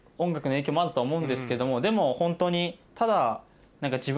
でもホントにただ何か。